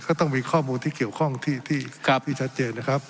ก็ต้องมีข้อมูลที่เกี่ยวข้องที่ชัดเจนนะครับ